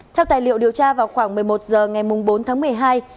theo tài liệu điều tra vào khoảng một mươi một h ngày bốn tháng một mươi hai